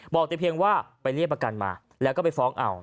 บอกแต่เพียงว่าไปเรียกประกันมาแล้วก็ไปฟ้องเอา